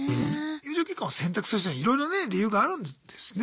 友情結婚を選択する人にはいろいろね理由があるんですね。